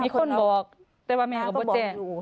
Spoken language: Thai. มีคนบอกแต่ว่าแม่ก็บอกอยู่